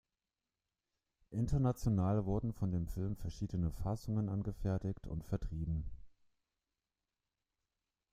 International wurden von dem Film verschiedene Fassungen angefertigt und vertrieben.